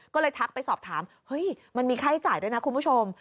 ก็เลยทักไปสอบถามเฮ้ยมันมีค่าใช้จ่ายด้วยนะคุณผู้ชม